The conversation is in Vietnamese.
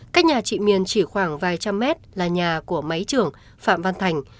cách nhà chị miền chỉ khoảng vài trăm mét là nhà của máy trưởng phạm văn thành